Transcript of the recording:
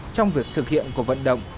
trong việc thực hiện cuộc vận động